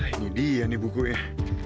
ini dia buku ini